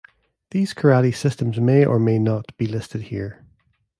These karate systems may or may not be listed here.